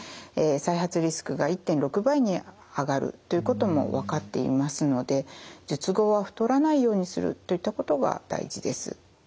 再発リスクが１．６倍に上がるということも分かっていますので術後は太らないようにするといったことが大事です。